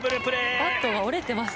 バットが折れてます。